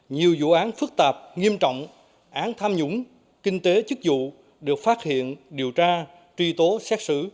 nhiều vụ án phức tạp nghiêm trọng án tham nhũng kinh tế chức vụ được phát hiện điều tra truy tố xét xử